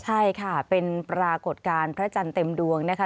ใช่ค่ะเป็นปรากฏการณ์พระจันทร์เต็มดวงนะคะ